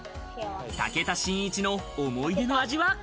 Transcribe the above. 武田真一の思い出の味は？